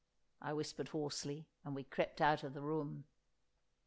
I whispered hoarsely, and we crept out of the room.